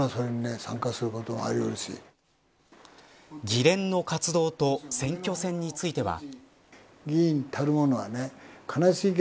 議連の活動と選挙戦については。